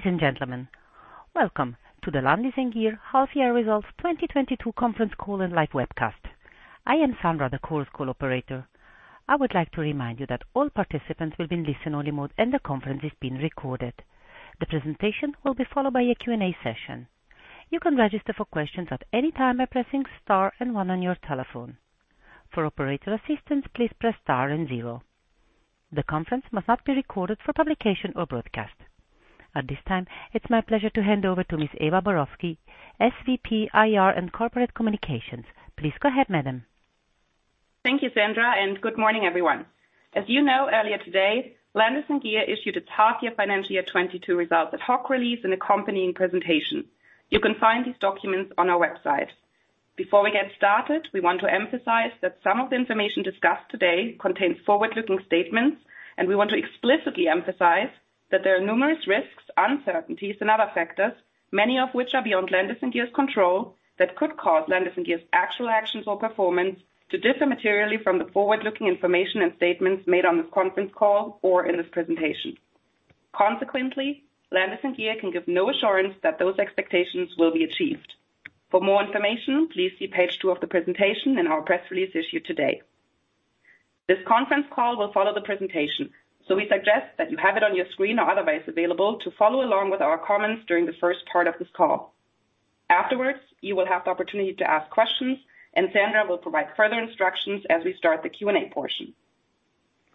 Ladies and gentlemen, welcome to the Landis+Gyr Half Year Results 2022 conference call and live webcast. I am Sandra, the call's call operator. I would like to remind you that all participants will be in listen only mode, and the conference is being recorded. The presentation will be followed by a Q&A session. You can register for questions at any time by pressing star and one on your telephone. For operator assistance, please press star and zero. The conference must not be recorded for publication or broadcast. At this time, it's my pleasure to hand over to Ms. Eva Borowski, SVP, IR and Corporate Communications. Please go ahead, madam. Thank you, Sandra, and good morning, everyone. As you know, earlier today, Landis+Gyr issued its half-year financial year 2022 results, ad hoc release, and accompanying presentation. You can find these documents on our website. Before we get started, we want to emphasize that some of the information discussed today contains forward-looking statements, and we want to explicitly emphasize that there are numerous risks, uncertainties, and other factors, many of which are beyond Landis+Gyr's control that could cause Landis+Gyr's actual actions or performance to differ materially from the forward-looking information and statements made on this conference call or in this presentation. Consequently, Landis+Gyr can give no assurance that those expectations will be achieved. For more information, please see page two of the presentation in our press release issued today. This conference call will follow the presentation, so we suggest that you have it on your screen or otherwise available to follow along with our comments during the first part of this call. Afterwards, you will have the opportunity to ask questions, and Sandra will provide further instructions as we start the Q&A portion.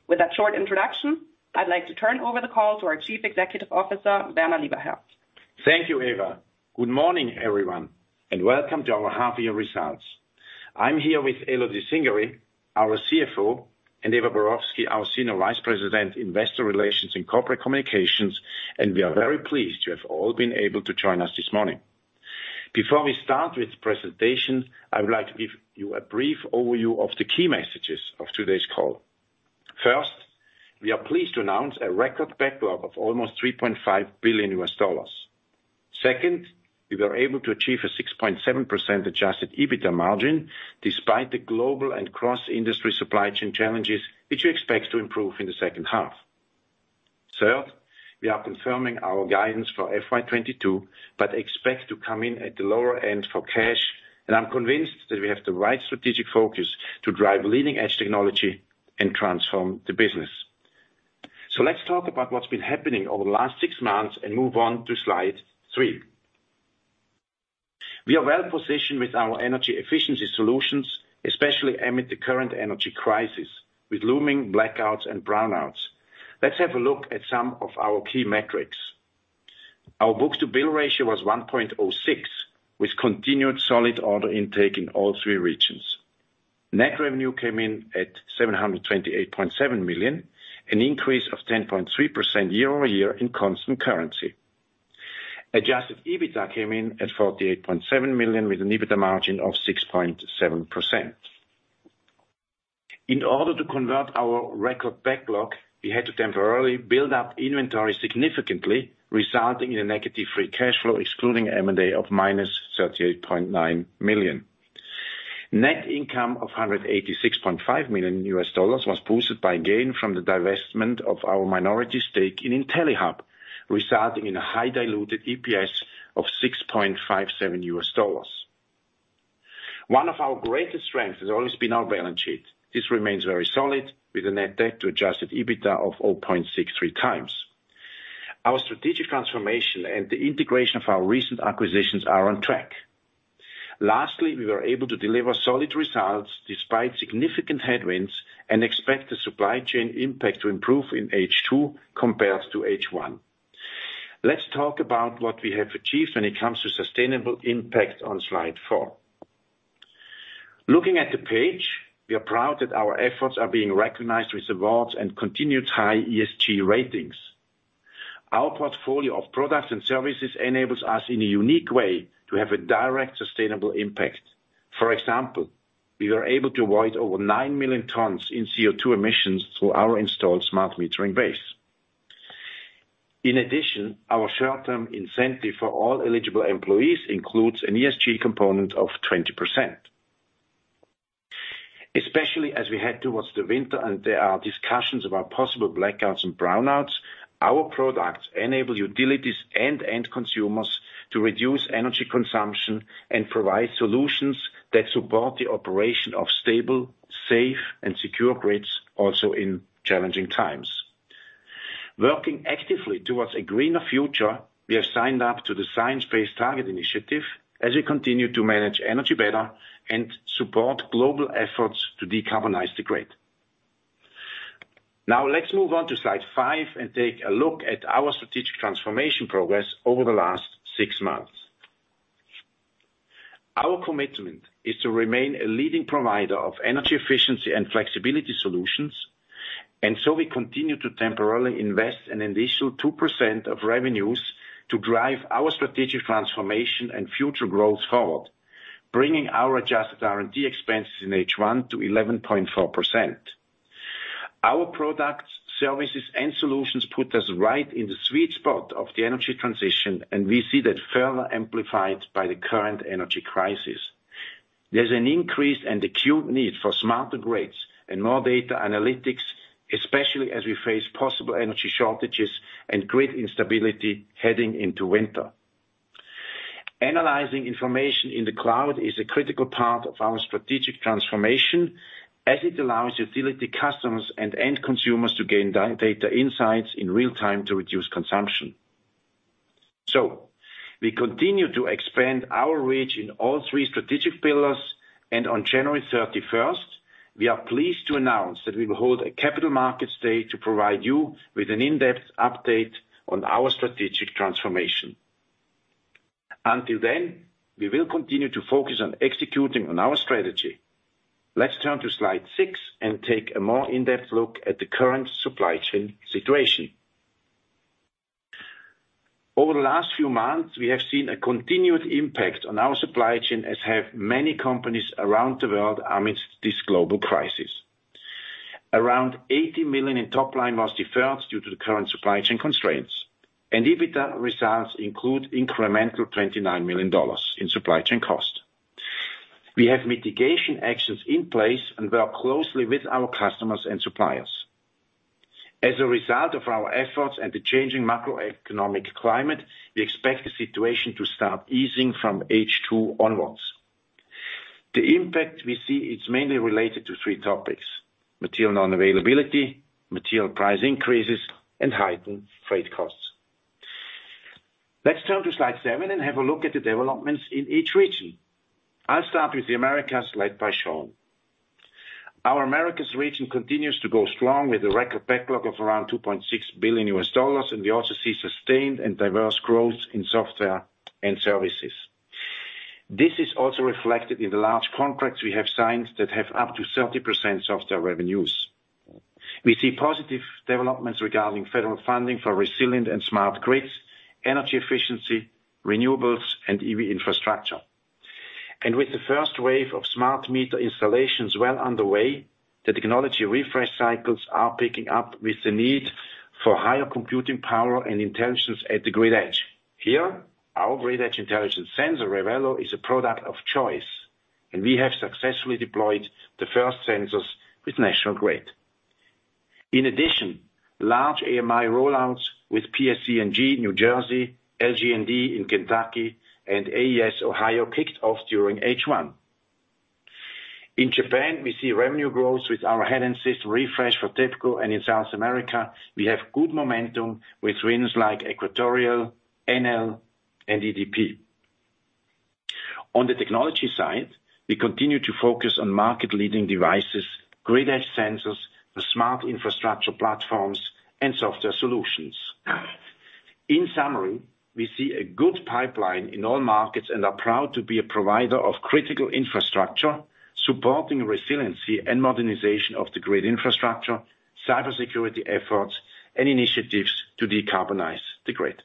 With that short introduction, I'd like to turn over the call to our Chief Executive Officer, Werner Lieberherr. Thank you, Eva. Good morning, everyone, and welcome to our half-year results. I'm here with Elodie Cingari, our CFO, and Eva Borowski, our Senior Vice President, Investor Relations and Corporate Communications, and we are very pleased you have all been able to join us this morning. Before we start with presentation, I would like to give you a brief overview of the key messages of today's call. First, we are pleased to announce a record backlog of almost $3.5 billion. Second, we were able to achieve a 6.7% adjusted EBITDA margin despite the global and cross-industry supply chain challenges, which we expect to improve in the second half. Third, we are confirming our guidance for FY 2022, but expect to come in at the lower end for cash, and I'm convinced that we have the right strategic focus to drive leading-edge technology and transform the business. Let's talk about what's been happening over the last 6 months and move on to slide three. We are well-positioned with our energy efficiency solutions, especially amid the current energy crisis with looming blackouts and brownouts. Let's have a look at some of our key metrics. Our book-to-bill ratio was 1.06, with continued solid order intake in all three regions. Net revenue came in at 728.7 million, an increase of 10.3% year-over-year in constant currency. Adjusted EBITDA came in at 48.7 million, with an EBITDA margin of 6.7%. In order to convert our record backlog, we had to temporarily build up inventory significantly, resulting in a negative free cash flow, excluding M&A of -$38.9 million. Net income of $186.5 million was boosted by gain from the divestment of our minority stake in Intellihub, resulting in a high diluted EPS of $6.57. One of our greatest strengths has always been our balance sheet. This remains very solid with a net debt to adjusted EBITDA of 0.63x. Our strategic transformation and the integration of our recent acquisitions are on track. Lastly, we were able to deliver solid results despite significant headwinds and expect the supply chain impact to improve in H2 compared to H1. Let's talk about what we have achieved when it comes to sustainable impact on slide four. Looking at the page, we are proud that our efforts are being recognized with awards and continued high ESG ratings. Our portfolio of products and services enables us in a unique way to have a direct sustainable impact. For example, we were able to avoid over nine million tons in CO2 emissions through our installed smart metering base. In addition, our short-term incentive for all eligible employees includes an ESG component of 20%. Especially as we head towards the winter and there are discussions about possible blackouts and brownouts, our products enable utilities and end consumers to reduce energy consumption and provide solutions that support the operation of stable, safe and secure grids also in challenging times. Working actively towards a greener future, we have signed up to the Science Based Targets initiative as we continue to manage energy better and support global efforts to decarbonize the grid. Now let's move on to slide five and take a look at our strategic transformation progress over the last six months. Our commitment is to remain a leading provider of energy efficiency and flexibility solutions, and so we continue to temporarily invest an initial 2% of revenues to drive our strategic transformation and future growth forward, bringing our adjusted R&D expenses in H1 to 11.4%. Our products, services and solutions put us right in the sweet spot of the energy transition, and we see that further amplified by the current energy crisis. There's an increase and acute need for smarter grids and more data analytics, especially as we face possible energy shortages and grid instability heading into winter. Analyzing information in the cloud is a critical part of our strategic transformation, as it allows utility customers and end consumers to gain data insights in real time to reduce consumption. We continue to expand our reach in all three strategic pillars. On January thirty-first, we are pleased to announce that we will hold a capital markets day to provide you with an in-depth update on our strategic transformation. Until then, we will continue to focus on executing on our strategy. Let's turn to slide six and take a more in-depth look at the current supply chain situation. Over the last few months, we have seen a continued impact on our supply chain, as have many companies around the world amidst this global crisis. Around $80 million in top line was deferred due to the current supply chain constraints, and EBITDA results include incremental $29 million in supply chain costs. We have mitigation actions in place and work closely with our customers and suppliers. As a result of our efforts and the changing macroeconomic climate, we expect the situation to start easing from H2 onwards. The impact we see is mainly related to three topics: material non-availability, material price increases, and heightened freight costs. Let's turn to slide seven and have a look at the developments in each region. I'll start with the Americas, led by Sean. Our Americas region continues to go strong with a record backlog of around $2.6 billion, and we also see sustained and diverse growth in software and services. This is also reflected in the large contracts we have signed that have up to 30% software revenues. We see positive developments regarding federal funding for resilient and smart grids, energy efficiency, renewables, and EV infrastructure. With the first wave of smart meter installations well underway, the technology refresh cycles are picking up with the need for higher computing power and intelligence at the grid edge. Here, our grid edge intelligence sensor, Revelo, is a product of choice, and we have successfully deployed the first sensors with National Grid. In addition, large AMI rollouts with PSE&G, New Jersey, LG&E in Kentucky, and AES Ohio kicked off during H1. In Japan, we see revenue growth with our head-end system refresh for TEPCO. In South America, we have good momentum with wins like Equatorial, Enel, and EDP. On the technology side, we continue to focus on market-leading devices, grid edge sensors, the smart infrastructure platforms, and software solutions. In summary, we see a good pipeline in all markets and are proud to be a provider of critical infrastructure, supporting resiliency and modernization of the grid infrastructure, cybersecurity efforts, and initiatives to decarbonize the grid.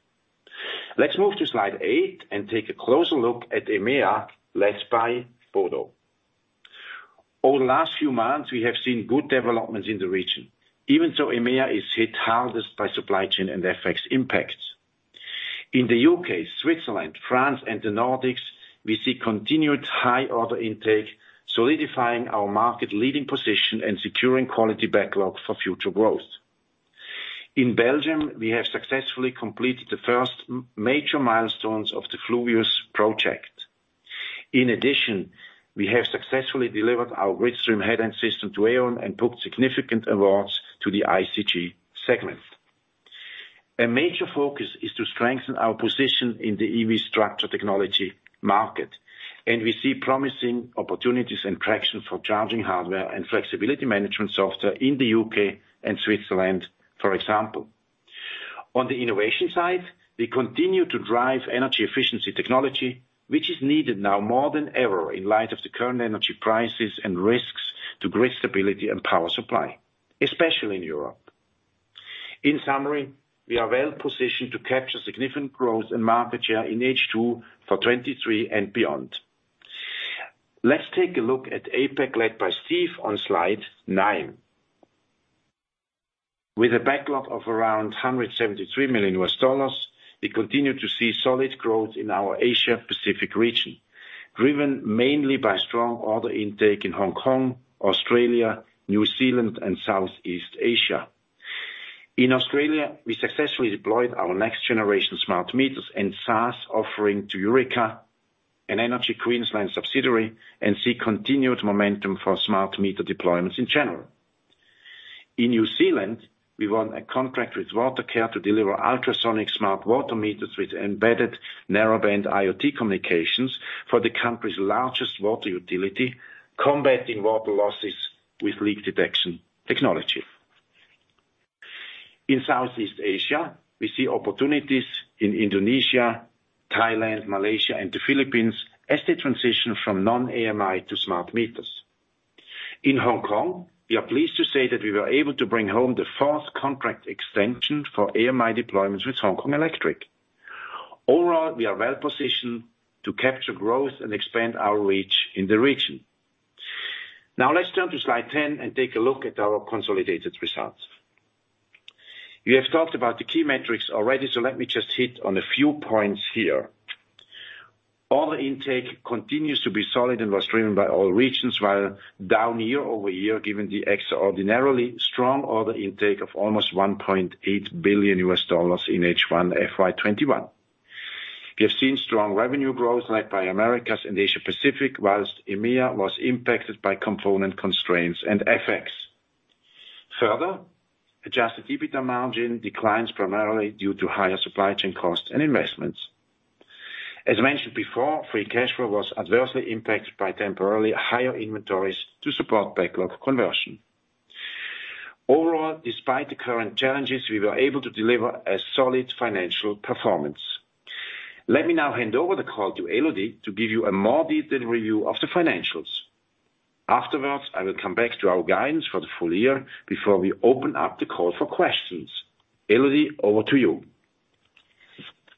Let's move to slide eight and take a closer look at EMEA, led by Bodo. Over the last few months, we have seen good developments in the region. Even so, EMEA is hit hardest by supply chain and FX impacts. In the U.K., Switzerland, France, and the Nordics, we see continued high order intake, solidifying our market-leading position and securing quality backlog for future growth. In Belgium, we have successfully completed the first major milestones of the Fluvius project. In addition, we have successfully delivered our Gridstream head-end system to E.ON and booked significant awards to the C&I segment. A major focus is to strengthen our position in the EV infrastructure technology market, and we see promising opportunities and traction for charging hardware and flexibility management software in the U.K. and Switzerland, for example. On the innovation side, we continue to drive energy efficiency technology, which is needed now more than ever in light of the current energy prices and risks to grid stability and power supply, especially in Europe. In summary, we are well positioned to capture significant growth and market share in H2 for 2023 and beyond. Let's take a look at APAC, led by Steve, on slide nine. With a backlog of around $173 million, we continue to see solid growth in our Asia-Pacific region, driven mainly by strong order intake in Hong Kong, Australia, New Zealand, and Southeast Asia. In Australia, we successfully deployed our next-generation smart meters and SaaS offering to Yurika, an Energy Queensland subsidiary, and see continued momentum for smart meter deployments in general. In New Zealand, we won a contract with Watercare to deliver ultrasonic smart water meters with embedded narrowband IoT communications for the country's largest water utility, combating water losses with leak detection technology. In Southeast Asia, we see opportunities in Indonesia, Thailand, Malaysia, and the Philippines as they transition from non-AMI to smart meters. In Hong Kong, we are pleased to say that we were able to bring home the fourth contract extension for AMI deployments with Hong Kong Electric. Overall, we are well positioned to capture growth and expand our reach in the region. Now let's turn to slide 10 and take a look at our consolidated results. We have talked about the key metrics already, so let me just hit on a few points here. Order intake continues to be solid and was driven by all regions, while down year-over-year, given the extraordinarily strong order intake of almost $1.8 billion in H1 FY 2021. We have seen strong revenue growth led by Americas and Asia-Pacific, while EMEA was impacted by component constraints and FX. Further, adjusted EBITDA margin declines primarily due to higher supply chain costs and investments. As mentioned before, free cash flow was adversely impacted by temporarily higher inventories to support backlog conversion. Overall, despite the current challenges, we were able to deliver a solid financial performance. Let me now hand over the call to Elodie to give you a more detailed review of the financials. Afterwards, I will come back to our guidance for the full year before we open up the call for questions. Elodie, over to you.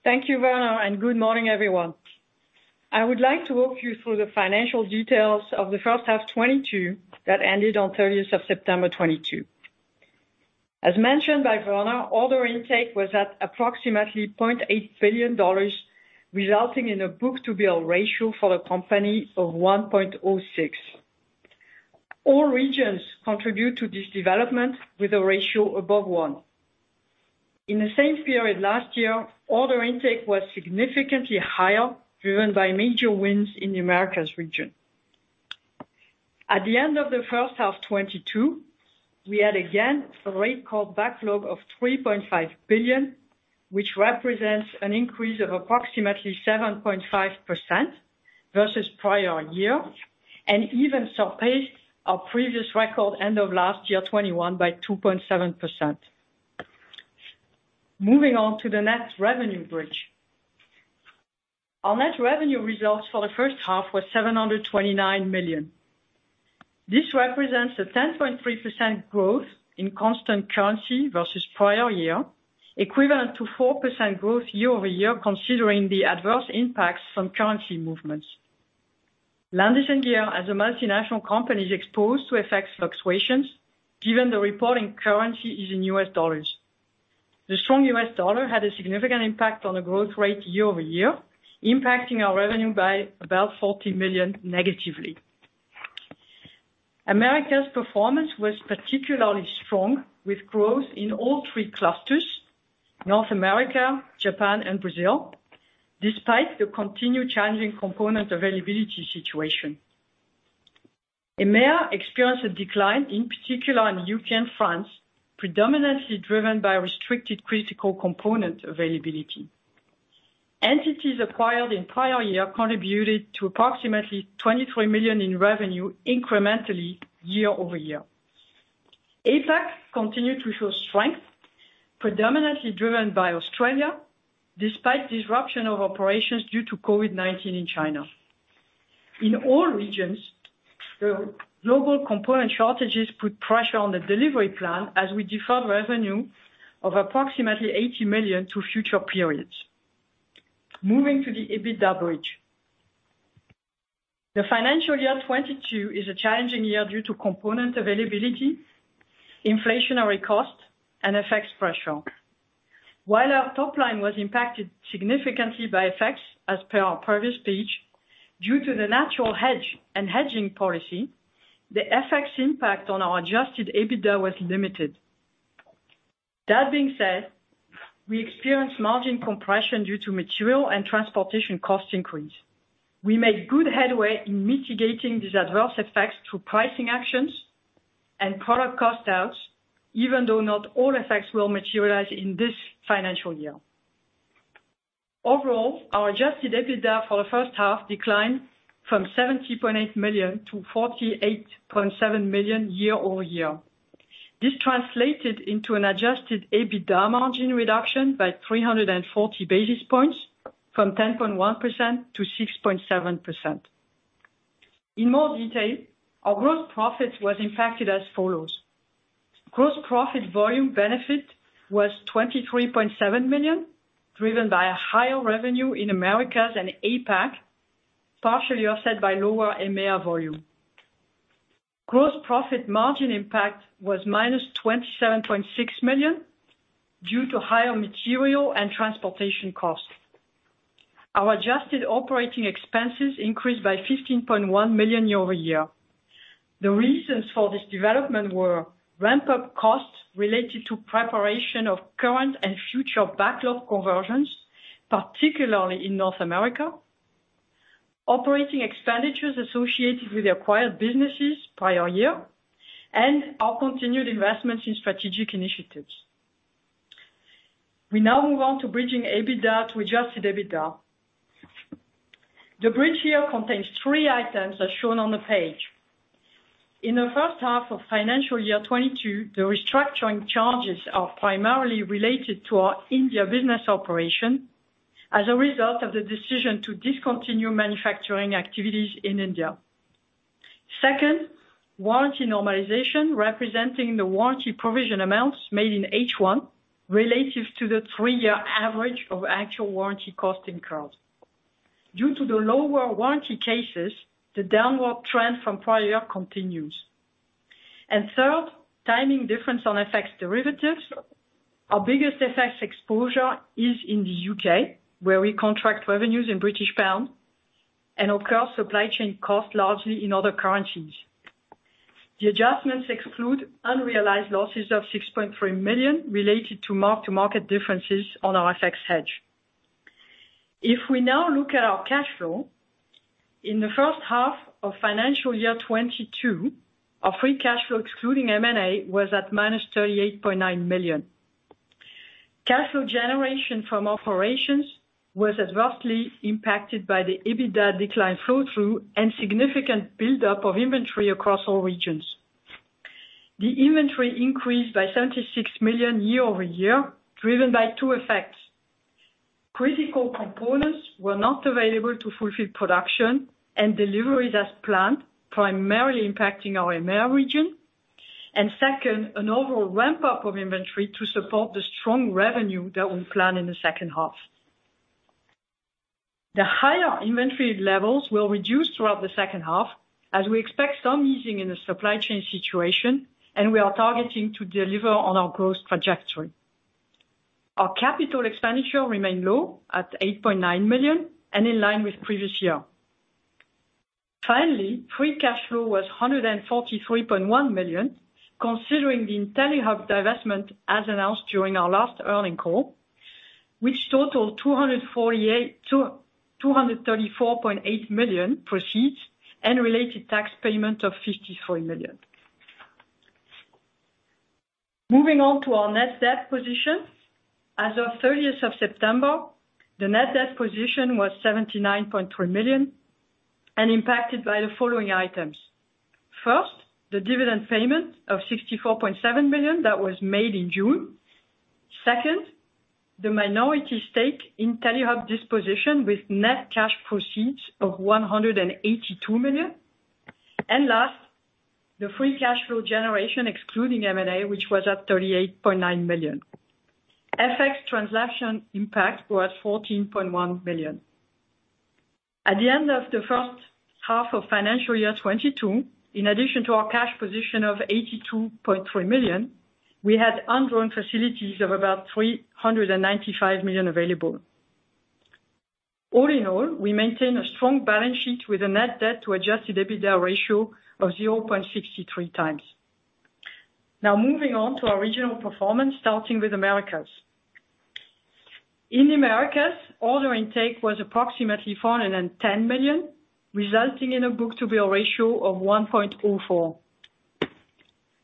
Thank you, Werner, and good morning, everyone. I would like to walk you through the financial details of the first half 2022 that ended on thirtieth of September 2022. As mentioned by Werner, order intake was at approximately $0.8 billion, resulting in a book-to-bill ratio for the company of 1.06. All regions contribute to this development with a ratio above one. In the same period last year, order intake was significantly higher, driven by major wins in the Americas region. At the end of the first half 2022, we had again a rather large backlog of $3.5 billion, which represents an increase of approximately 7.5% versus prior year, and even surpassed our previous record end of 2021 by 2.7%. Moving on to the next revenue bridge. Our net revenue results for the first half were $729 million. This represents a 10.3% growth in constant currency versus prior year, equivalent to 4% growth year-over-year, considering the adverse impacts from currency movements. Landis+Gyr as a multinational company is exposed to FX fluctuations, given the reporting currency is in US dollars. The strong US dollar had a significant impact on the growth rate year-over-year, impacting our revenue by about $40 million negatively. America's performance was particularly strong with growth in all three clusters, North America, Japan and Brazil, despite the continued challenging component availability situation. EMEA experienced a decline, in particular in U.K. and France, predominantly driven by restricted critical component availability. Entities acquired in prior year contributed to approximately $23 million in revenue incrementally year-over-year. APAC continued to show strength predominantly driven by Australia despite disruption of operations due to COVID-19 in China. In all regions, the global component shortages put pressure on the delivery plan as we deferred revenue of approximately $80 million to future periods. Moving to the EBITDA bridge. The financial year 2022 is a challenging year due to component availability, inflationary costs and FX pressure. While our top line was impacted significantly by FX as per our previous page, due to the natural hedge and hedging policy, the FX impact on our adjusted EBITDA was limited. That being said, we experienced margin compression due to material and transportation cost increase. We made good headway in mitigating these adverse effects through pricing actions and product cost outs, even though not all effects will materialize in this financial year. Overall, our adjusted EBITDA for the first half declined from 70.8 million to 48.7 million year-over-year. This translated into an adjusted EBITDA margin reduction by 340 basis points from 10.1% to 6.7%. In more detail, our gross profit was impacted as follows. Gross profit volume benefit was 23.7 million, driven by higher revenue in Americas and APAC, partially offset by lower EMEA volume. Gross profit margin impact was -27.6 million due to higher material and transportation costs. Our adjusted operating expenses increased by 15.1 million year-over-year. The reasons for this development were ramp-up costs related to preparation of current and future backlog conversions, particularly in North America, operating expenditures associated with the acquired businesses prior year, and our continued investments in strategic initiatives. We now move on to bridging EBITDA to adjusted EBITDA. The bridge here contains three items as shown on the page. In the first half of financial year 2022, the restructuring charges are primarily related to our India business operation as a result of the decision to discontinue manufacturing activities in India. Second, warranty normalization, representing the warranty provision amounts made in H1 relative to the three-year average of actual warranty costs incurred. Due to the lower warranty cases, the downward trend from prior year continues. Third, timing difference on FX derivatives. Our biggest FX exposure is in the U.K., where we contract revenues in British pound and incur supply chain cost largely in other currencies. The adjustments exclude unrealized losses of $6.3 million related to mark-to-market differences on our FX hedge. If we now look at our cash flow, in the first half of financial year 2022, our free cash flow, excluding M&A, was at -$38.9 million. Cash flow generation from operations was adversely impacted by the EBITDA decline flow through and significant buildup of inventory across all regions. The inventory increased by $76 million year-over-year, driven by two effects. Critical components were not available to fulfill production and deliveries as planned, primarily impacting our EMEA region. Second, an overall ramp up of inventory to support the strong revenue that we plan in the second half. The higher inventory levels will reduce throughout the second half as we expect some easing in the supply chain situation, and we are targeting to deliver on our growth trajectory. Our capital expenditure remained low at $8.9 million and in line with previous year. Finally, free cash flow was $143.1 million, considering the Intellihub divestment as announced during our last earnings call, which totaled $234.8 million proceeds and related tax payment of $54 million. Moving on to our net debt position. As of 30th of September, the net debt position was $79.3 million and impacted by the following items. First, the dividend payment of $64.7 million that was made in June. Second, the minority stake Intellihub disposition with net cash proceeds of $182 million. Last, the free cash flow generation excluding M&A, which was at $38.9 million. FX transaction impact was $14.1 million. At the end of the first half of financial year 2022, in addition to our cash position of $82.3 million, we had undrawn facilities of about $395 million available. All in all, we maintain a strong balance sheet with a net debt to adjusted EBITDA ratio of 0.63x. Now moving on to our regional performance, starting with Americas. In Americas, order intake was approximately $410 million, resulting in a book-to-bill ratio of 1.04.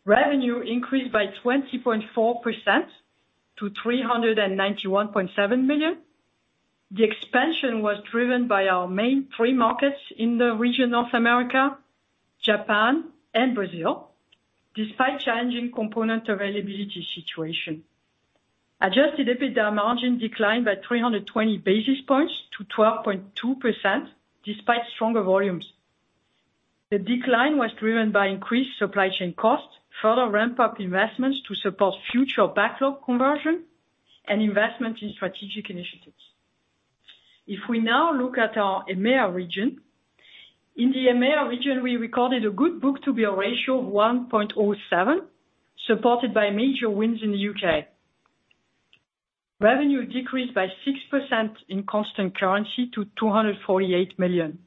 Revenue increased by 20.4% to $391.7 million. The expansion was driven by our main three markets in the region, North America, Japan and Brazil, despite changing component availability situation. Adjusted EBITDA margin declined by 320 basis points to 12.2% despite stronger volumes. The decline was driven by increased supply chain costs, further ramp-up investments to support future backlog conversion and investment in strategic initiatives. If we now look at our EMEA region. In the EMEA region, we recorded a good book-to-bill ratio of 1.07, supported by major wins in the U.K.. Revenue decreased by 6% in constant currency to $248 million.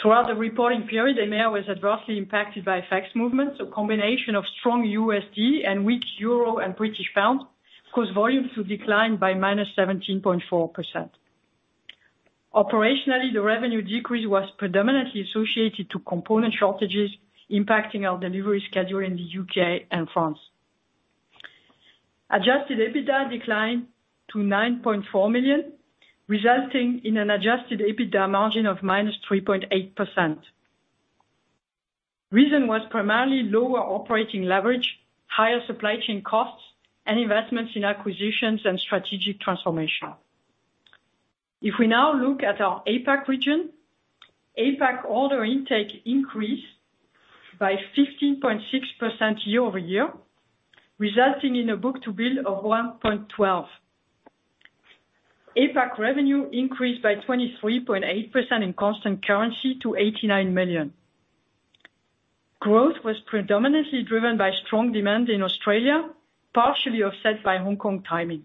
Throughout the reporting period, EMEA was adversely impacted by FX movements, a combination of strong USD and weak euro and British pound caused volumes to decline by -17.4%. Operationally, the revenue decrease was predominantly associated to component shortages impacting our delivery schedule in the U.K. and France. Adjusted EBITDA declined to $9.4 million, resulting in an adjusted EBITDA margin of -3.8%. Reason was primarily lower operating leverage, higher supply chain costs and investments in acquisitions and strategic transformation. If we now look at our APAC region. APAC order intake increased by 15.6% year-over-year, resulting in a book-to-bill of 1.12. APAC revenue increased by 23.8% in constant currency to $89 million. Growth was predominantly driven by strong demand in Australia, partially offset by Hong Kong timing.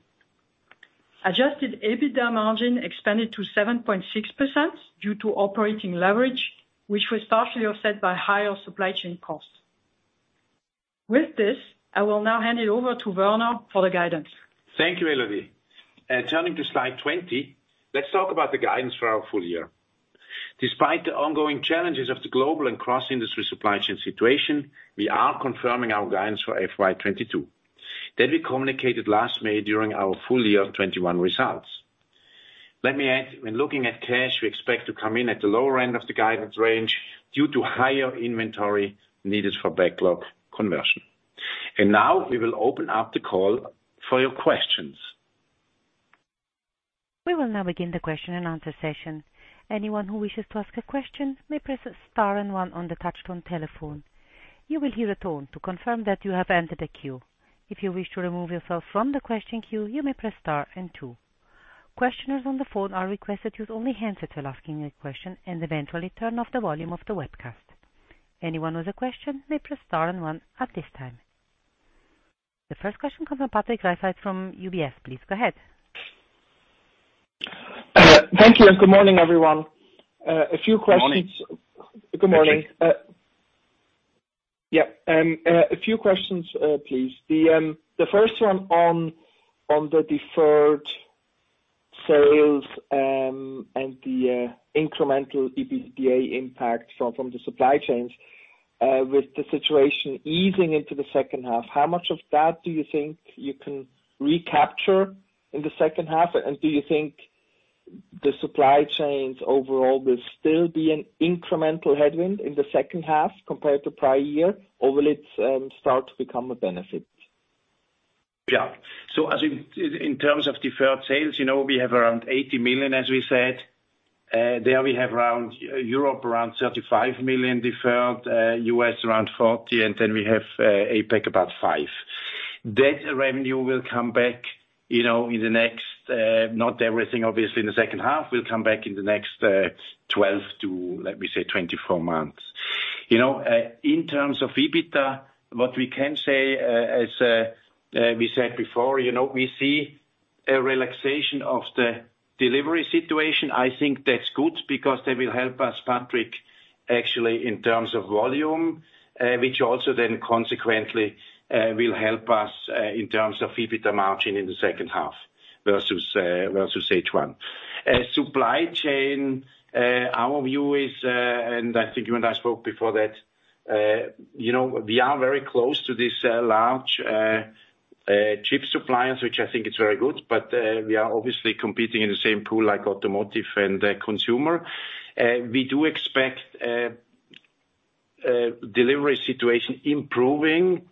Adjusted EBITDA margin expanded to 7.6% due to operating leverage, which was partially offset by higher supply chain costs. With this, I will now hand it over to Werner for the guidance. Thank you, Elodie. Turning to slide 20, let's talk about the guidance for our full year. Despite the ongoing challenges of the global and cross-industry supply chain situation, we are confirming our guidance for FY 2022 that we communicated last May during our full year 2021 results. Let me add, when looking at cash, we expect to come in at the lower end of the guidance range due to higher inventory needed for backlog conversion. Now we will open up the call for your questions. We will now begin the question and answer session. Anyone who wishes to ask a question may press star and one on the touchtone telephone. You will hear a tone to confirm that you have entered a queue. If you wish to remove yourself from the question queue, you may press star and two. Questioners on the phone are requested to only announce till asking a question and eventually turn off the volume of the webcast. Anyone with a question may press star and one at this time. The first question comes from Patrick Rafaisz from UBS. Please go ahead. Thank you and good morning, everyone. A few questions. Good morning. Good morning. A few questions, please. The first one on the deferred sales and the incremental EBITDA impact from the supply chains. With the situation easing into the second half, how much of that do you think you can recapture in the second half? Do you think the supply chains overall will still be an incremental headwind in the second half compared to prior year? Or will it start to become a benefit? Yeah. As in terms of deferred sales, you know, we have around $80 million, as we said. There we have around Europe, around $35 million deferred, U.S. around $40 million, and then we have APAC about $5 million. That revenue will come back, you know, in the next, not everything, obviously in the second half, will come back in the next twelve to, let me say, twenty-four months. You know, in terms of EBITDA, what we can say, as we said before, you know, we see a relaxation of the delivery situation. I think that's good because they will help us, Patrick, actually in terms of volume, which also then consequently will help us in terms of EBITDA margin in the second half versus H1. Supply chain, our view is. I think you and I spoke before that. You know, we are very close to this large chip suppliers, which I think is very good, but we are obviously competing in the same pool like automotive and the consumer. We do expect delivery situation improving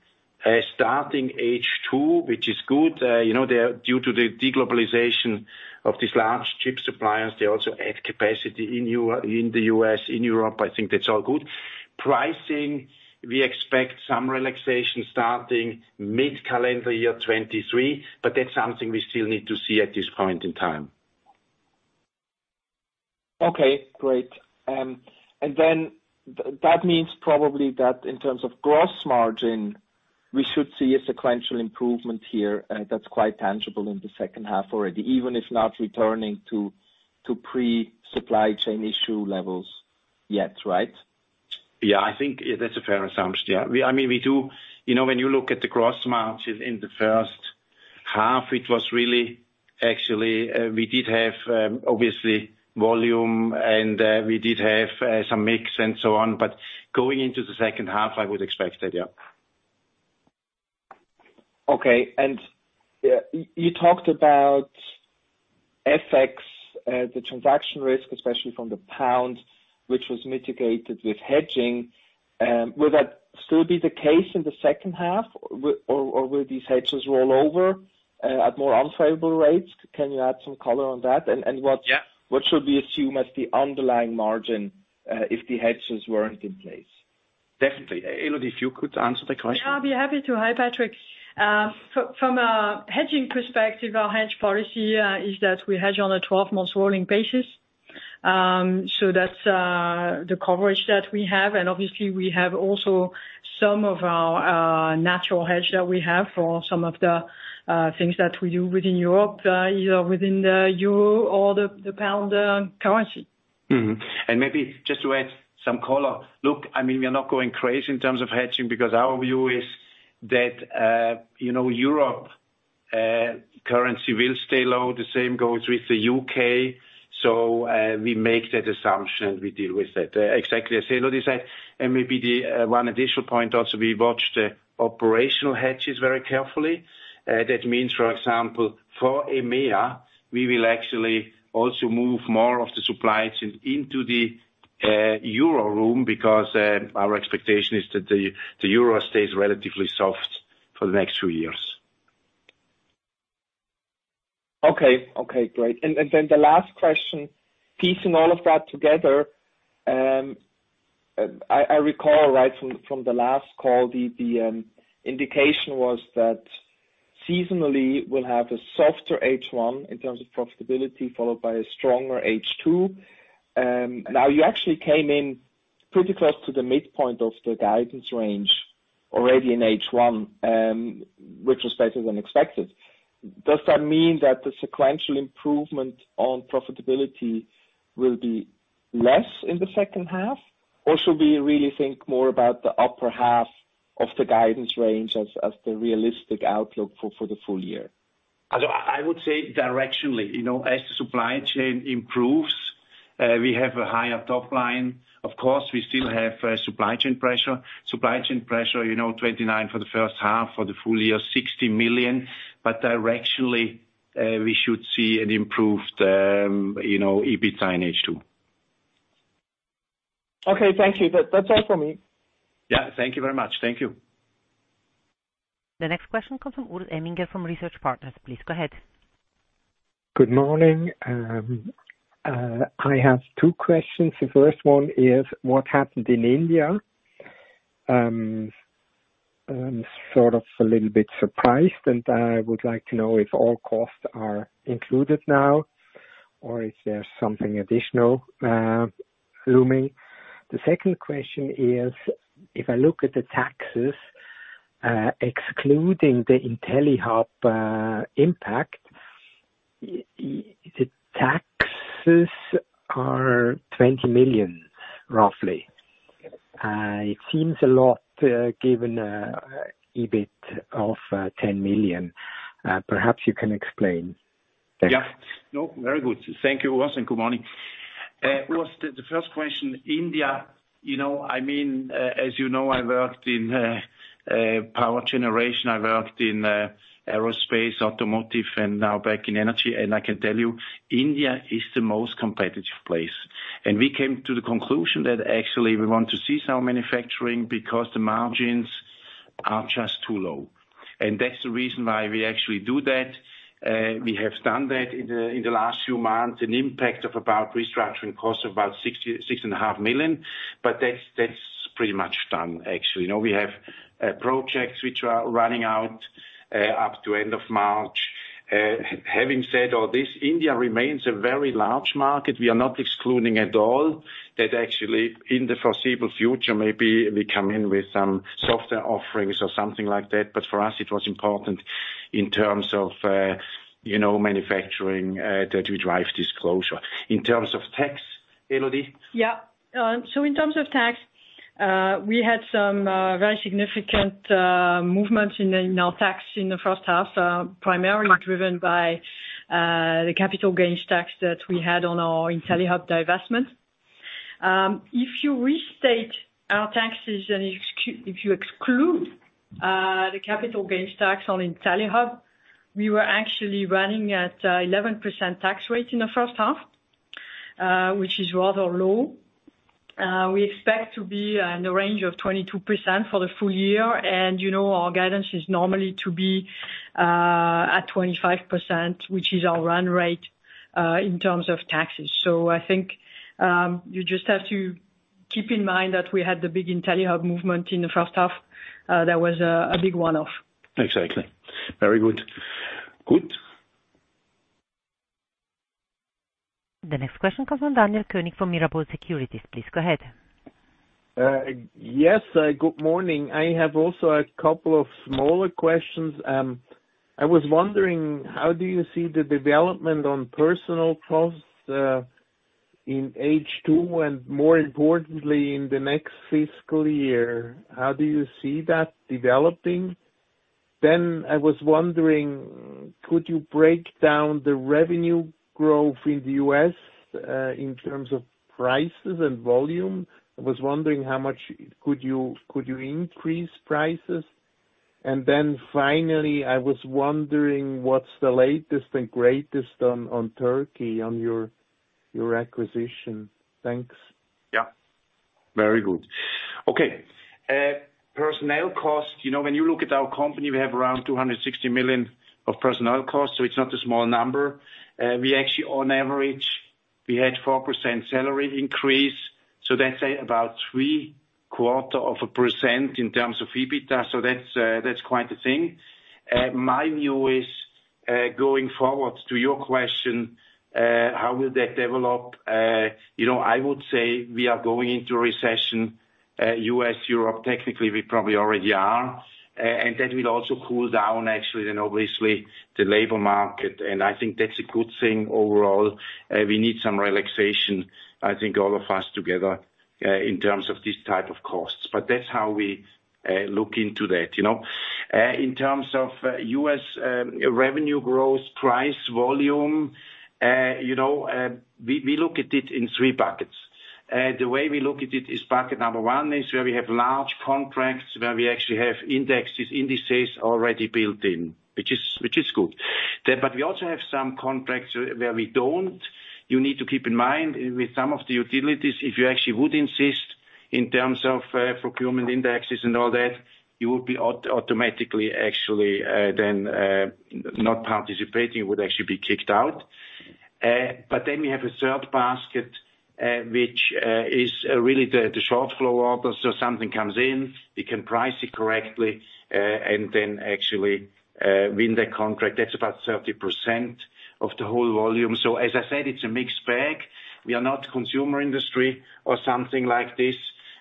starting H2, which is good. You know, they are due to the de-globalization of these large chip suppliers. They also add capacity in the U.S., in Europe. I think that's all good. Pricing, we expect some relaxation starting mid-calendar year 2023, but that's something we still need to see at this point in time. Okay, great. That means probably that in terms of gross margin, we should see a sequential improvement here, that's quite tangible in the second half already, even if not returning to pre-supply chain issue levels yet, right? Yeah. I think that's a fair assumption. Yeah. I mean, we do. You know, when you look at the gross margin in the first half, it was really actually we did have obviously volume and some mix and so on. Going into the second half, I would expect that, yeah. Okay. You talked about FX, the transaction risk, especially from the pound, which was mitigated with hedging. Will that still be the case in the second half? Or will these hedges roll over at more unfavorable rates? Can you add some color on that? What- Yeah. What should we assume as the underlying margin, if the hedges weren't in place? Definitely. Elodie, if you could answer the question. Yeah, I'd be happy to. Hi, Patrick. From a hedging perspective, our hedge policy is that we hedge on a 12-month rolling basis. That's the coverage that we have. Obviously we have also some of our natural hedge that we have for some of the things that we do within Europe, you know, within the euro or the pound currency. Mm-hmm. Maybe just to add some color. Look, I mean, we are not going crazy in terms of hedging because our view is that, you know, euro currency will stay low. The same goes with the U.K.. We make that assumption, we deal with that. Exactly as Elodie said. Maybe the one additional point also, we watch the operational hedges very carefully. That means, for example, for EMEA, we will actually also move more of the supplies in, into the Eurozone because our expectation is that the euro stays relatively soft for the next few years. Okay. Okay, great. The last question, piecing all of that together, I recall right from the last call, the indication was that seasonally we'll have a softer H1 in terms of profitability followed by a stronger H2. Now you actually came in pretty close to the midpoint of the guidance range already in H1, which was better than expected. Does that mean that the sequential improvement on profitability will be less in the second half? Or should we really think more about the upper half of the guidance range as the realistic outlook for the full year? I would say directionally, you know, as the supply chain improves, we have a higher top line. Of course, we still have supply chain pressure. Supply chain pressure, you know, $29 million for the first half, for the full year, $60 million. We should see an improved, you know, EBITDA in H2. Okay. Thank you. That's all for me. Yeah. Thank you very much. Thank you. The next question comes from Urs Emminger from Research Partners. Please go ahead. Good morning. I have two questions. The first one is what happened in India? I'm sort of a little bit surprised, and I would like to know if all costs are included now or if there's something additional looming. The second question is, if I look at the taxes, excluding the Intellihub impact, the taxes are $20 million, roughly. It seems a lot, given EBIT of $10 million. Perhaps you can explain. Thanks. Yeah. No, very good. Thank you, Urs, and good morning. Urs, the first question, India, you know, I mean, as you know, I worked in power generation, I worked in aerospace, automotive, and now back in energy, and I can tell you India is the most competitive place. We came to the conclusion that actually we want to cease our manufacturing because the margins are just too low. That's the reason why we actually do that. We have done that in the last few months. An impact of about restructuring costs of about $66 and a half million, but that's pretty much done, actually. Now we have projects which are running out up to end of March. Having said all this, India remains a very large market. We are not excluding at all that actually in the foreseeable future maybe we come in with some software offerings or something like that. But for us it was important in terms of, you know, manufacturing, that we drive this closure. In terms of tax, Elodie? In terms of tax, we had some very significant movements in our tax in the first half, primarily driven by the capital gains tax that we had on our Intellihub divestment. If you restate our taxes and if you exclude the capital gains tax on Intellihub, we were actually running at 11% tax rate in the first half, which is rather low. We expect to be in the range of 22% for the full year, and you know our guidance is normally to be at 25%, which is our run rate in terms of taxes. I think you just have to keep in mind that we had the big Intellihub movement in the first half, that was a big one-off. Exactly. Very good. Good. The next question comes from Daniel Koenig from Mirabaud Securities. Please go ahead. Yes. Good morning. I have also a couple of smaller questions. I was wondering, how do you see the development on personnel costs in H2 and more importantly in the next fiscal year? How do you see that developing? I was wondering, could you break down the revenue growth in the U.S. in terms of prices and volume? I was wondering how much you could increase prices? And then finally, I was wondering what's the latest and greatest on your Turkey acquisition. Thanks. Yeah. Very good. Okay. Personnel cost, you know, when you look at our company, we have around $260 million of personnel costs, so it's not a small number. We actually on average had a 4% salary increase, so that's about 0.75% in terms of EBITDA. That's quite a thing. My view is, going forward to your question, how will that develop? You know, I would say we are going into recession, U.S., Europe, technically, we probably already are. That will also cool down actually and obviously the labor market, and I think that's a good thing overall. We need some relaxation, I think all of us together, in terms of these types of costs. That's how we look into that, you know. In terms of U.S. revenue growth, price, volume, you know, we look at it in three buckets. The way we look at it is bucket number one is where we have large contracts where we actually have indexes, indices already built in, which is good. We also have some contracts where we don't. You need to keep in mind with some of the utilities, if you actually would insist in terms of procurement indexes and all that, you will be automatically actually then not participating, you would actually be kicked out. We have a third basket, which is really the short flow order. Something comes in, we can price it correctly, and then actually win the contract. That's about 30% of the whole volume. As I said, it's a mixed bag. We are not consumer industry or something like this,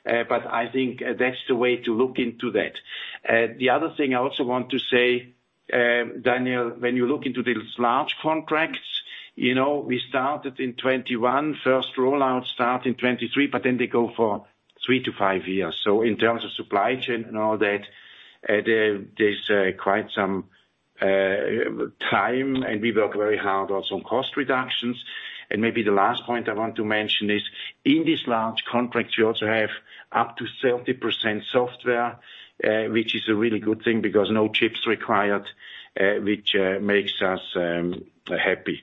but I think that's the way to look into that. The other thing I also want to say, Daniel, when you look into these large contracts, you know, we started in 2021, first rollout start in 2023, but then they go for three to five years. In terms of supply chain and all that, there's quite some time, and we work very hard on some cost reductions. Maybe the last point I want to mention is, in these large contracts, you also have up to 30% software, which is a really good thing because no chips required, which makes us happy.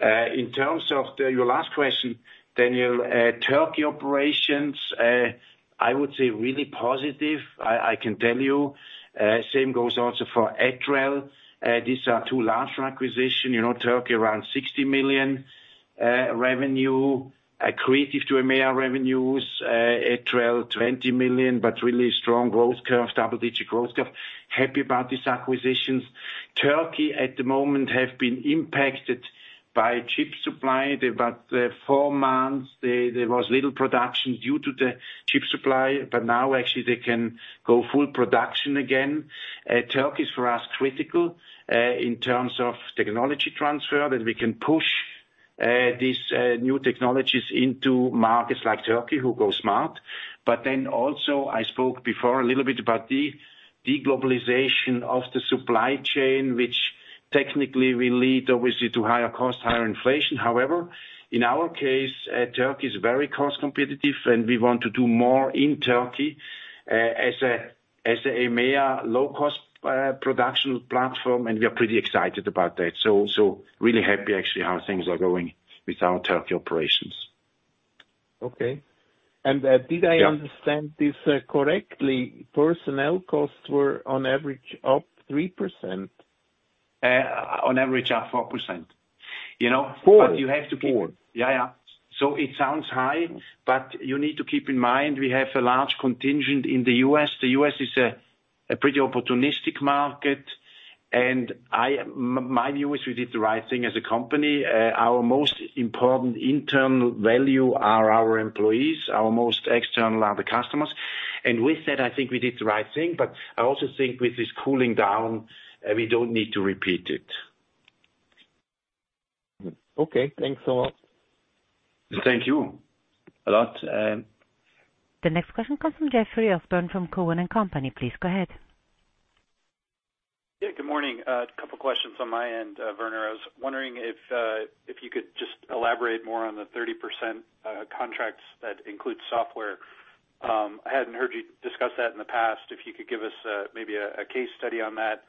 In terms of your last question, Daniel, Turkey operations, I would say really positive. I can tell you. Same goes also for Etrel. These are two large acquisitions, you know, Turkey around $60 million revenue, accretive to EMEA revenues, Etrel $20 million, but really strong growth curve, double-digit growth curve. Happy about these acquisitions. Turkey at the moment have been impacted by chip supply. They're about four months. There was little production due to the chip supply, but now actually they can go full production again. Turkey's for us critical in terms of technology transfer that we can push these new technologies into markets like Turkey who go smart. I spoke before a little bit about the de-globalization of the supply chain, which technically will lead obviously to higher costs, higher inflation. However, in our case, Turkey is very cost competitive, and we want to do more in Turkey, as a EMEA low cost production platform, and we are pretty excited about that. Really happy actually how things are going with our Turkey operations. Okay. Yeah. Did I understand this correctly? Personnel costs were on average up 3%. On average up 4%. You know. Four? But you have to keep- Four. Yeah, yeah. It sounds high, but you need to keep in mind we have a large contingent in the U.S. The U.S. is a pretty opportunistic market, and my view is we did the right thing as a company. Our most important internal value are our employees, our most external are the customers. With that, I think we did the right thing, but I also think with this cooling down, we don't need to repeat it. Okay. Thanks a lot. Thank you a lot. The next question comes from Jeffrey Osborne from TD Cowen. Please go ahead. Yeah, good morning. A couple questions on my end, Werner. I was wondering if you could just elaborate more on the 30% contracts that include software. I hadn't heard you discuss that in the past. If you could give us maybe a case study on that,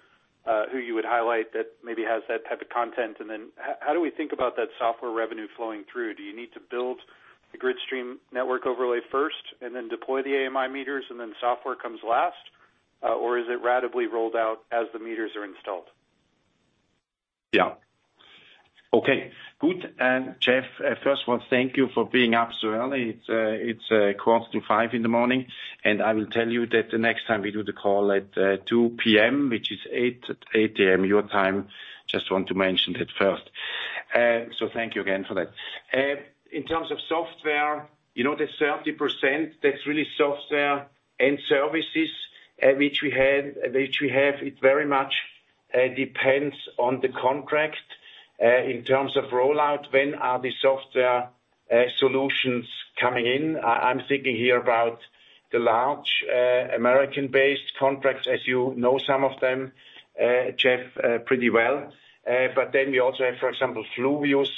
who you would highlight that maybe has that type of content. How do we think about that software revenue flowing through? Do you need to build the Gridstream network overlay first and then deploy the AMI meters and then software comes last? Or is it ratably rolled out as the meters are installed? Yeah. Okay, good. Jeff, first want to thank you for being up so early. It's 4:45 A.M., and I will tell you that the next time we do the call at 2:00 P.M., which is 8:00 A.M. your time, just want to mention that first. Thank you again for that. In terms of software, you know, the 30%, that's really software and services, which we have, it very much depends on the contract. In terms of rollout, when are the software solutions coming in? I'm thinking here about the large American-based contracts, as you know some of them, Jeff, pretty well. We also have, for example, Fluvius,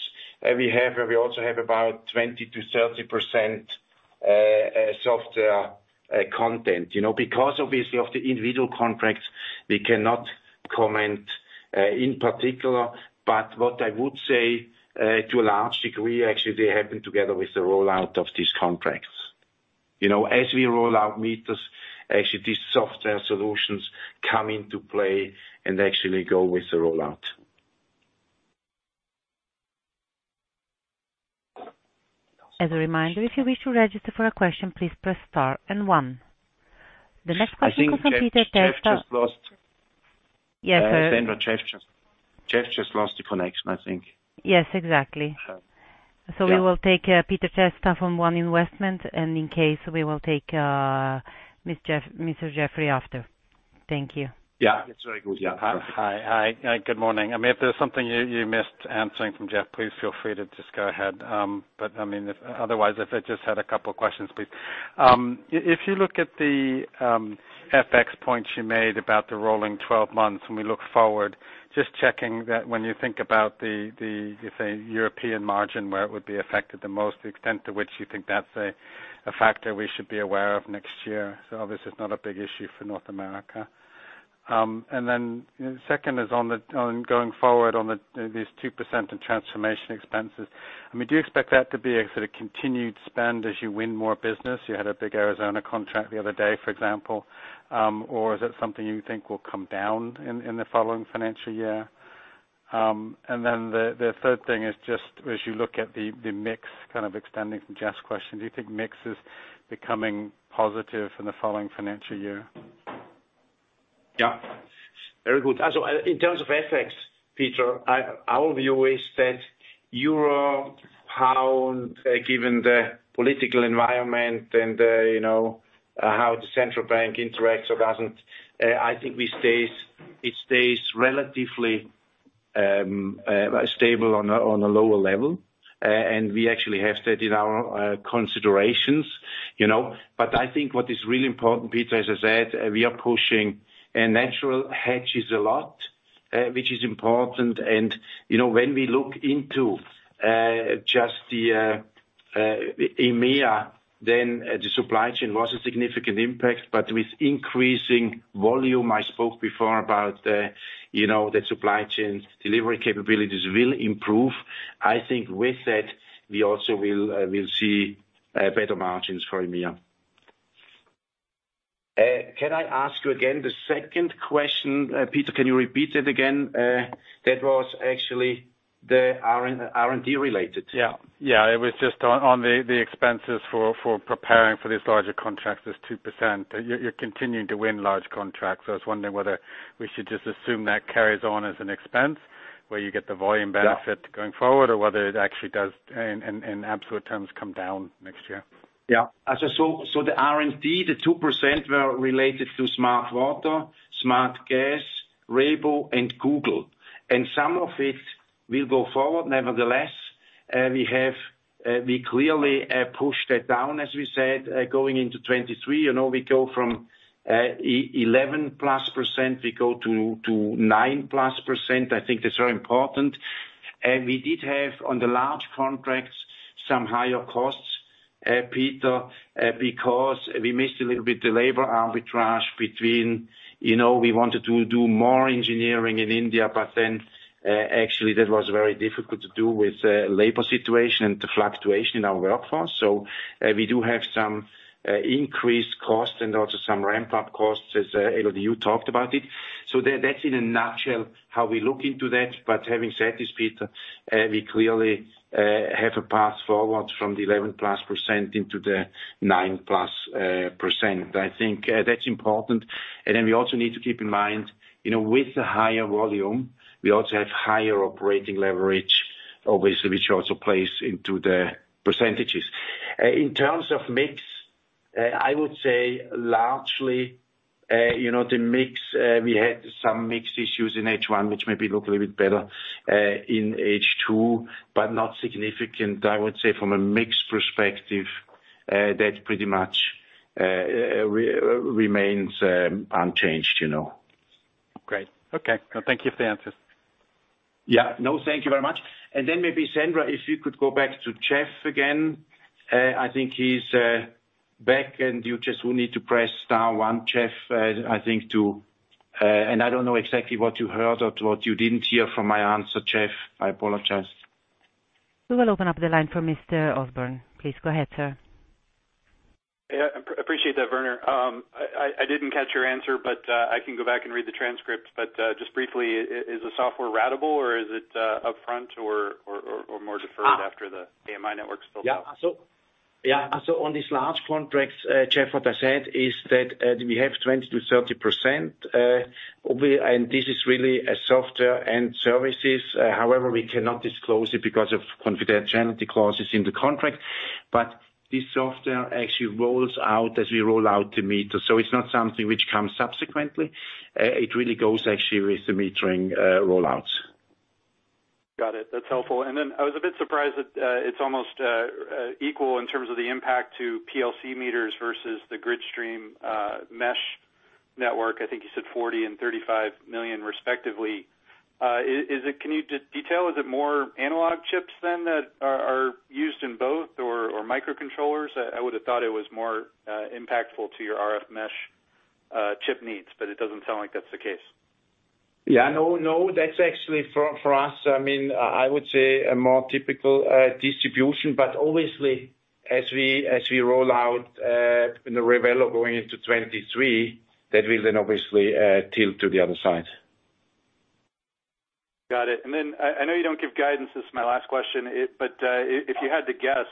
about 20%-30% software content, you know. Because obviously of the individual contracts, we cannot comment in particular. What I would say, to a large degree, actually, they happen together with the rollout of these contracts. You know, as we roll out meters, actually, these software solutions come into play and actually go with the rollout. As a reminder, if you wish to register for a question, please press star and one. The next question comes from Peter Testa. I think Jeffrey just lost Yes. Sandra, Jeff just lost the connection, I think. Yes, exactly. Sure. Yeah. We will take Peter Testa from One Investments, and in case we will take Mr. Jeffrey Osborne after. Thank you. Yeah. It's very good. Yeah. Perfect. Good morning. I mean, if there's something you missed answering from Jeff, please feel free to just go ahead. If otherwise, if I just had a couple questions, please. If you look at the FX points you made about the rolling twelve months, and we look forward, just checking that when you think about the, say, European margin, where it would be affected the most, the extent to which you think that's a factor we should be aware of next year. Obviously it's not a big issue for North America. Then second is on going forward on this 2% in transformation expenses. I mean, do you expect that to be a sort of continued spend as you win more business? You had a big Arizona contract the other day, for example. Or is it something you think will come down in the following financial year? The third thing is just as you look at the mix, kind of extending from Jeff's question, do you think mix is becoming positive in the following financial year? Yeah. Very good. In terms of FX, Peter, our view is that euro, pound, given the political environment and, you know, how the central bank interacts or doesn't, I think it stays relatively stable on a lower level. We actually have that in our considerations, you know. I think what is really important, Peter, as I said, we are pushing natural hedges a lot, which is important. You know, when we look into just the in EMEA then the supply chain was a significant impact, but with increasing volume, I spoke before about, you know, the supply chain delivery capabilities will improve. I think with that we also will see better margins for EMEA. Can I ask you again the second question? Peter, can you repeat it again? That was actually the R&D related. Yeah, it was just on the expenses for preparing for these larger contracts, this 2%. You're continuing to win large contracts, so I was wondering whether we should just assume that carries on as an expense where you get the volume benefit. Yeah. going forward or whether it actually does in absolute terms come down next year. Yeah. So the R&D, the 2% were related to Smart Water, Smart Gas, Rialto and Google. Some of it will go forward nevertheless. We have clearly pushed it down, as we said, going into 2023. You know, we go from 11%+, to 9%+. I think that's very important. We did have on the large contracts some higher costs, Peter, because we missed a little bit the labor arbitrage between, you know, we wanted to do more engineering in India, but then actually that was very difficult to do with the labor situation and the fluctuation in our workforce. We do have some increased costs and also some ramp-up costs as you know, you talked about it. That's in a nutshell how we look into that. Having said this, Peter, we clearly have a path forward from the 11%+ into the 9%+. I think that's important. Then we also need to keep in mind, you know, with the higher volume, we also have higher operating leverage obviously, which also plays into the percentages. In terms of mix, I would say largely, you know, the mix, we had some mix issues in H1 which maybe look a little bit better in H2, but not significant. I would say from a mix perspective, that pretty much remains unchanged, you know. Great. Okay. Thank you for the answers. Yeah. No, thank you very much. Maybe Sandra, if you could go back to Jeff again, I think he's back, and you just will need to press star one, Jeff. I don't know exactly what you heard or what you didn't hear from my answer, Jeff. I apologize. We will open up the line for Mr. Osborne. Please go ahead, sir. Yeah, appreciate that, Werner. I didn't catch your answer, but I can go back and read the transcript. Just briefly, is the software ratable or is it upfront or more deferred after the AMI network's built out? On these large contracts, Jeff, what I said is that we have 20%-30%. This is really a software and services. However, we cannot disclose it because of confidentiality clauses in the contract. But this software actually rolls out as we roll out the meter. It's not something which comes subsequently. It really goes actually with the metering rollouts. Got it. That's helpful. I was a bit surprised that it's almost equal in terms of the impact to PLC meters versus the Gridstream mesh network. I think you said $40 million and $35 million respectively. Is it, can you detail, is it more analog chips than that are used in both or microcontrollers? I would have thought it was more impactful to your RF mesh chip needs, but it doesn't sound like that's the case. Yeah, no, that's actually for us. I mean, I would say a more typical distribution. Obviously as we roll out the Revelo going into 2023, that will then obviously tilt to the other side. Got it. I know you don't give guidance, this is my last question. If you had to guess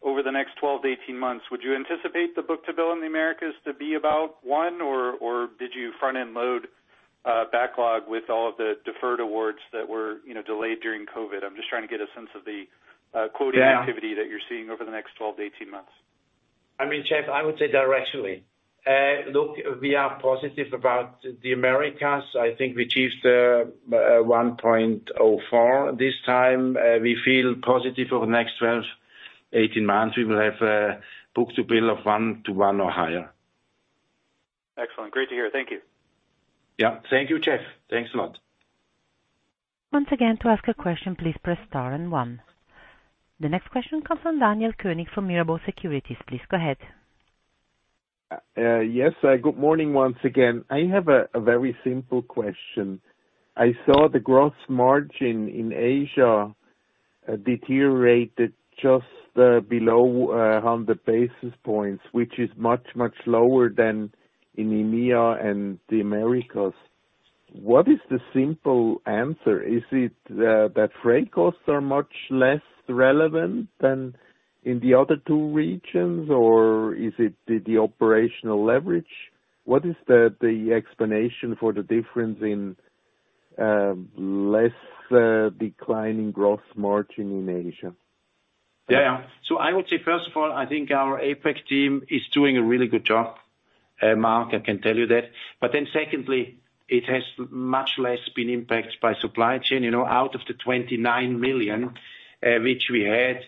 over the next 12-18 months, would you anticipate the book-to-bill in the Americas to be about one, or did you front-end load backlog with all of the deferred awards that were, you know, delayed during COVID? I'm just trying to get a sense of the quoting. Yeah. activity that you're seeing over the next 12-18 months. I mean, Jeff, I would say directionally. Look, we are positive about the Americas. I think we achieved 1.04 this time. We feel positive over the next 12, 18 months, we will have book-to-bill of 1 to 1 or higher. Excellent. Great to hear. Thank you. Yeah. Thank you, Jeffrey. Thanks a lot. Once again, to ask a question, please press star and one. The next question comes from Daniel Koenig from Mirabaud Securities. Please go ahead. Yes. Good morning once again. I have a very simple question. I saw the gross margin in Asia deteriorated just below 100 basis points, which is much lower than in EMEA and the Americas. What is the simple answer? Is it that freight costs are much less relevant than in the other two regions, or is it the operational leverage? What is the explanation for the difference in less declining gross margin in Asia? Yeah. I would say first of all, I think our APAC team is doing a really good job, Mark, I can tell you that. Secondly, it has much less been impacted by supply chain. You know, out of the $29 million, which we had,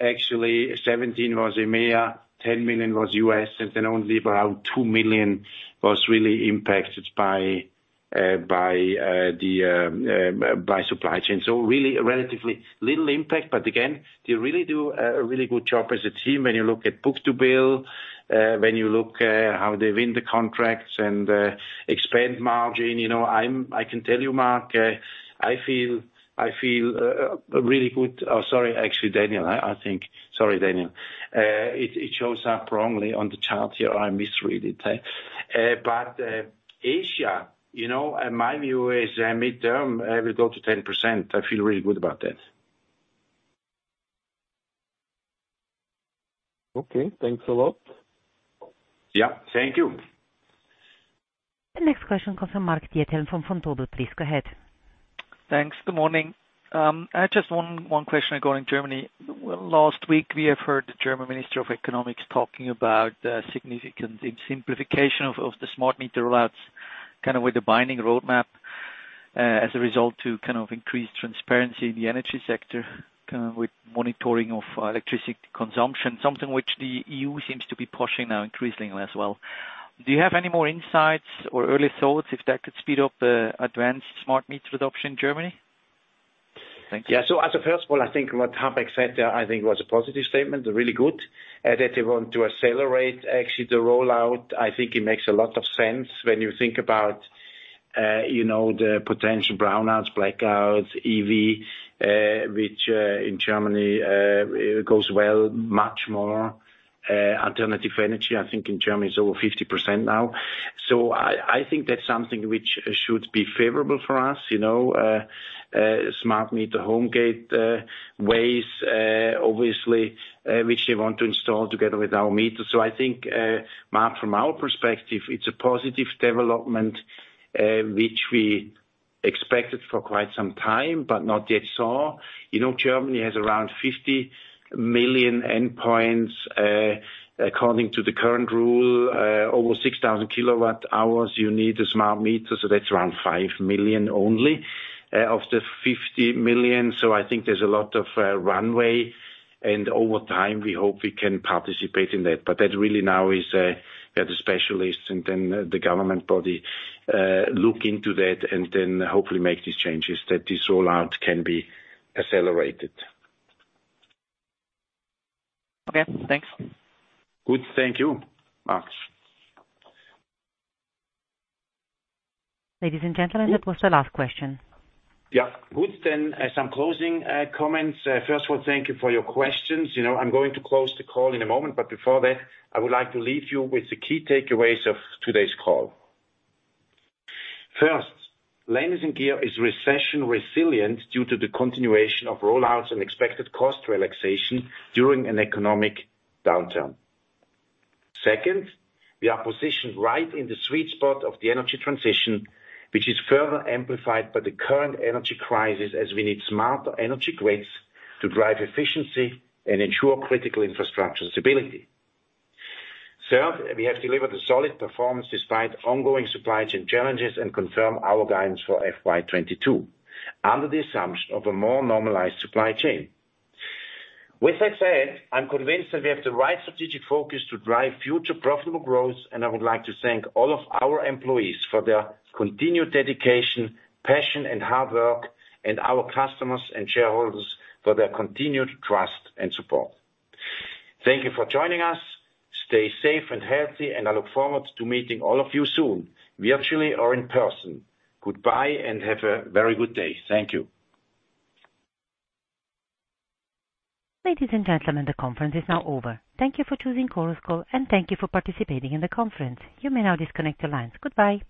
actually 17 was EMEA, $10 million was US, and then only around $2 million was really impacted by supply chain. So really a relatively little impact. Again, they really do a really good job as a team when you look at book-to-bill, when you look at how they win the contracts and expand margin. You know, I can tell you, Mark, I feel really good. Oh, sorry. Actually, Daniel, I think. Sorry, Daniel. It shows up wrongly on the chart here. I misread it. Asia, you know, my view is mid-term will go to 10%. I feel really good about that. Okay, thanks a lot. Yeah, thank you. The next question comes from Mark Diethelm from Vontobel. Please go ahead. Thanks. Good morning. I just one question regarding Germany. Last week, we have heard the German Minister of Economics talking about the significant simplification of the smart meter rollouts, kind of with the binding roadmap, as a result to kind of increase transparency in the energy sector, kind of with monitoring of electricity consumption, something which the EU seems to be pushing now increasingly as well. Do you have any more insights or early thoughts if that could speed up the advanced smart meters adoption in Germany? Thank you. First of all, I think what Habeck said there, I think was a positive statement, really good, that they want to accelerate actually the rollout. I think it makes a lot of sense when you think about, you know, the potential brownouts, blackouts, EV, which in Germany goes well much more alternative energy. I think in Germany it's over 50% now. I think that's something which should be favorable for us, you know. Smart Meter Gateway, ways, obviously, which they want to install together with our meters. I think, Mark, from our perspective, it's a positive development, which we expected for quite some time, but not yet saw. You know, Germany has around 50 million endpoints. According to the current rule, over 6,000 kWh, you need a smart meter, so that's around 5 million only of the 50 million. I think there's a lot of runway, and over time, we hope we can participate in that. That really now is the specialists and then the government body look into that and then hopefully make these changes that this rollout can be accelerated. Okay, thanks. Good. Thank you, Mark. Ladies and gentlemen, that was the last question. Yeah. Good. Some closing comments. First of all, thank you for your questions. You know, I'm going to close the call in a moment, but before that, I would like to leave you with the key takeaways of today's call. First, Landis+Gyr is recession resilient due to the continuation of rollouts and expected cost relaxation during an economic downturn. Second, we are positioned right in the sweet spot of the energy transition, which is further amplified by the current energy crisis as we need smarter energy grids to drive efficiency and ensure critical infrastructure stability. Third, we have delivered a solid performance despite ongoing supply chain challenges and confirm our guidance for FY 2022 under the assumption of a more normalized supply chain. With that said, I'm convinced that we have the right strategic focus to drive future profitable growth, and I would like to thank all of our employees for their continued dedication, passion and hard work, and our customers and shareholders for their continued trust and support. Thank you for joining us. Stay safe and healthy, and I look forward to meeting all of you soon, virtually or in person. Goodbye and have a very good day. Thank you. Ladies and gentlemen, the conference is now over. Thank you for choosing Chorus Call, and thank you for participating in the conference. You may now disconnect your lines. Goodbye.